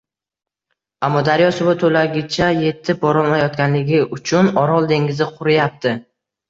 — Amudaryo suvi to‘laligicha yetib borolmayotganligi uchun Orol dengizi quriyapti.